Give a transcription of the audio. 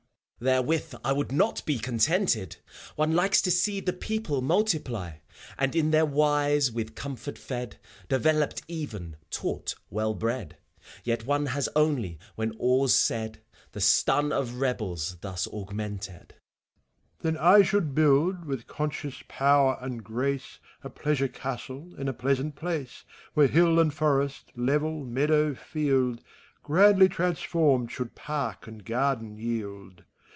Therewith I would not be contented I One likes to see the people multiply. And in their wise with comfort fed, — Developed even, taught, well bred. Yet one has only, when all's said, The stun of rebek thus augmented. MEPHISTOPHELIS. Then I should build, with conscious power and grace, A pleasure castle in a pleasant place ; Where hill and forest, level, meadow, field. Grandly transformed, should park and garden yield.